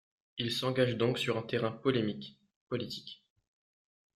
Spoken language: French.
Il s’engage donc sur un terrain polémique, politique.